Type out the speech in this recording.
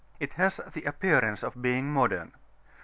It has the appearance of being modern.